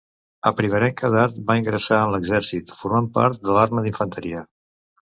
A primerenca edat va ingressar en l'exèrcit, formant part de l'arma d'infanteria.